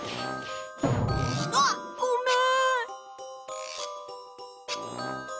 あっごめん！